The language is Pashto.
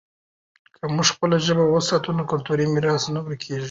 که موږ خپله ژبه وساتو، نو کلتوري میراث نه ورکېږي.